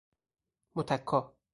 متکا